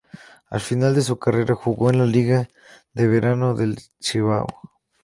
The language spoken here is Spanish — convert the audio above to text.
Al final de su carrera jugó en la Liga de Verano del Cibao.